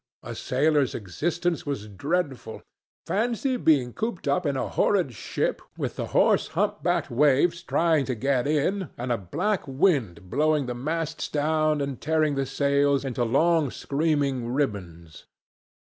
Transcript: A sailor's existence was dreadful. Fancy being cooped up in a horrid ship, with the hoarse, hump backed waves trying to get in, and a black wind blowing the masts down and tearing the sails into long screaming ribands!